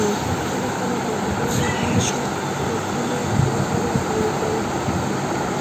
کله کله به دواړو غاړو ته توپونه وغړمبېدل.